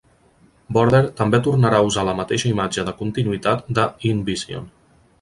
Border també tornarà a usar la mateixa imatge de continuïtat de in-vision.